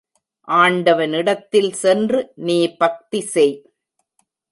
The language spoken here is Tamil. ஆண்டவனிடத்தில் சென்று நீ பக்தி செய்.